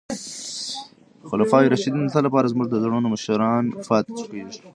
خلفای راشدین د تل لپاره زموږ د زړونو مشران پاتې کیږي.